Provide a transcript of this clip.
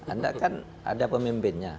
anda kan ada pemimpinnya